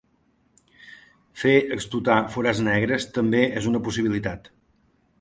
Fer explotar forats negre també és una possibilitat.